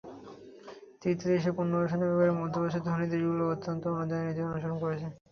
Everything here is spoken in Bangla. তৃতীয় দেশে পুনর্বাসনের ব্যাপারে মধ্যপ্রাচ্যের ধনী দেশগুলো অত্যন্ত অনুদার নীতি অনুসরণ করছে।